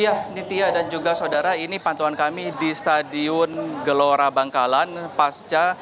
ya nitya dan juga saudara ini pantauan kami di stadion gelora bangkalan pasca